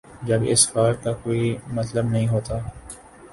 جب اس فعل کا کوئی مطلب نہیں ہوتا۔